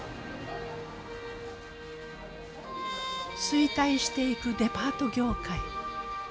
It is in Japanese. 衰退していくデパート業界。